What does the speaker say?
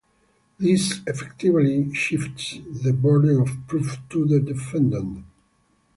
This effectively shifts the burden of proof to the defendant.